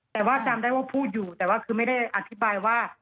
แต่ว่าจำได้ว่าพูดอยู่แต่ว่าคือไม่ได้อธิบายว่า